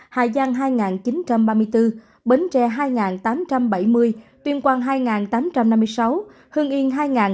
hải giang hai chín trăm ba mươi bốn bến tre hai tám trăm bảy mươi tuyên quang hai tám trăm năm mươi sáu hương yên hai bảy trăm bốn mươi